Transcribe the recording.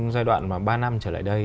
giai đoạn mà ba năm trở lại đây